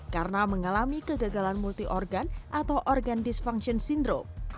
karena mengalami kegagalan multi organ atau organ dysfunction syndrome